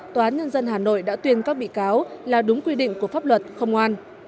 tòa án nhân dân hà nội đã tuyên các bị cáo là đúng quy định của pháp luật không ngoan